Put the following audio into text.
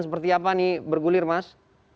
seperti apa nih bergulir mas